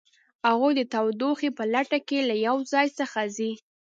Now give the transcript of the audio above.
هغوی د تودوخې په لټه کې له یو ځای څخه ځي